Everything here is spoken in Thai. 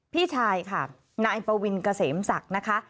พี่ชายค่ะนายปวินเกษมศักดิ์นะคะ